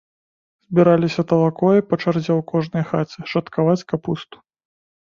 Збіраліся талакой па чарзе ў кожнай хаце шаткаваць капусту.